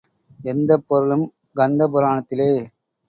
எந்தப் பொருளும் கந்த புராணத்திலே.